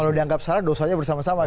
kalau dianggap salah dosanya bersama sama